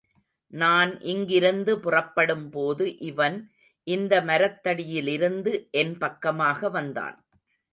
நான் இங்கிருந்து புறப்படும்போது இவன், இந்த மரத்தடியிலிருந்து என் பக்கமாக வந்தான்.